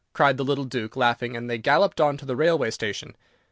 cried the little Duke, laughing, and they galloped on to the railway station.